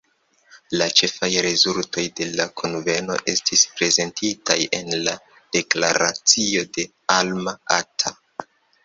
La ĉefaj rezultoj de la kunveno estis prezentitaj en la deklaracio de Alma-Ata.